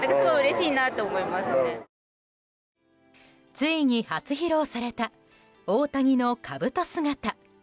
ついに初披露された大谷のかぶと姿。